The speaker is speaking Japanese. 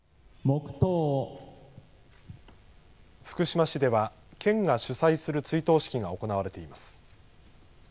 福島市では県が主催する追悼式が行われています。